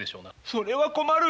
それは困る！